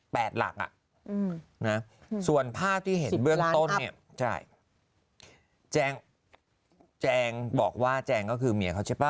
แปดหลักอะส่วนภาพที่เห็นเบื้องต้นแจงบอกว่าแจงก็คือเมียเขาใช่ป่ะ